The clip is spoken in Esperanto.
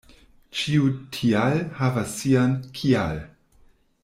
Ĉiu "tial" havas sian "kial".